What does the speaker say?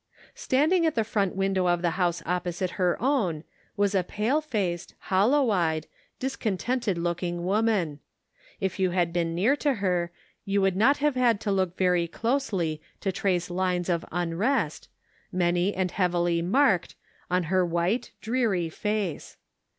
Standing at the front window of the house 508 The Pocket Measure. opposite her own was a pale faced, hollow eyed, discontented looking woman ; if you had been near to her, you would not have had to look very closely to trace lines of unrest, many and heavily marked, on her white, dreary face.